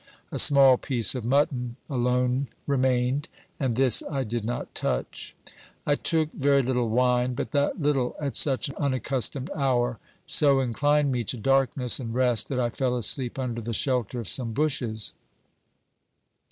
A small piece of mutton alone remained, and this I did not touch. I took very little wine, but that little at such an unaccustomed hour, so inclined me to darkness and rest that I fell asleep under the shelter of some bushes.